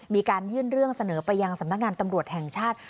มีการยื่นเรื่องเสนอไปยังสำนักงานตำรวจแห่งชาติ